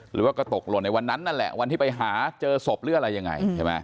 หรือตกหล่นในวันนั้นน่ะแหละวันที่ไปหาเจอสบหรืออะไรยังไง